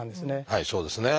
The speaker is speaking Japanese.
はいそうですね。